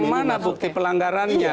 yang mana bukti pelanggarannya